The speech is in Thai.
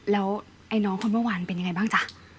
แล้วไอ้น้องคนเมื่อวานเป็นยังไงบ้างจ๊ะ